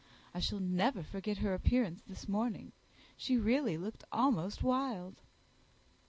I shall never forget her appearance this morning. She really looked almost wild."